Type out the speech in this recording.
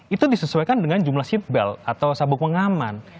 itu disesuaikan dengan jumlah seatbelt atau sabuk pengaman